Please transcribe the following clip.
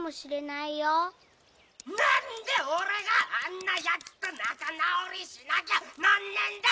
なんで俺があんなヤツと仲直りしなきゃなんねんだ！